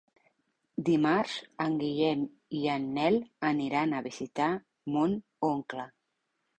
Dimarts en Guillem i en Nel aniran a visitar mon oncle.